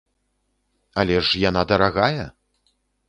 Але ж яна дарагая!